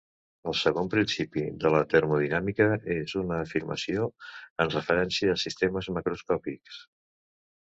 El segon principi de la termodinàmica és una afirmació en referència a sistemes macroscòpics.